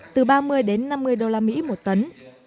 từ ba mươi đến năm mươi đô la mỹ một tấn